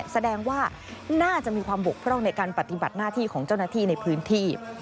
แสดงว่าน่าจะมีความบกพร่องในการปฏิบัติหน้าที่ของเจ้าหน้าที่ในพื้นที่